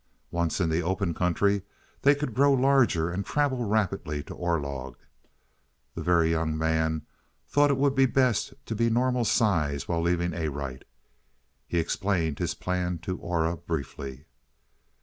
Once in the open country they could grow larger and travel rapidly to Orlog. The Very Young Man thought it would be best to be normal size while leaving Arite. He explained his plan to Aura briefly.